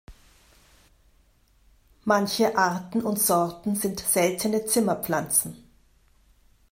Manche Arten und Sorten sind seltene Zimmerpflanzen.